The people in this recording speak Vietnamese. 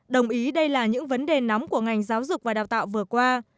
đồng ý đây là những vấn đề nóng của ngành giáo dục và đào tạo vừa qua